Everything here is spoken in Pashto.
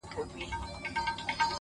ماته اوس هم راځي حال د چا د ياد;